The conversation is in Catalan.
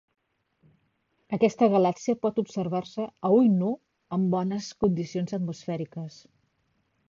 Aquesta galàxia pot observar-se a ull nu en bones condicions atmosfèriques.